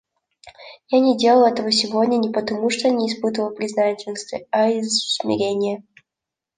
Я не делал этого сегодня не потому, что не испытывал признательности, а из смирения.